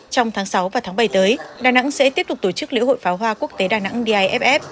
trong tháng sáu và tháng bảy tới đà nẵng sẽ tiếp tục tổ chức lễ hội pháo hoa quốc tế đà nẵng d i f f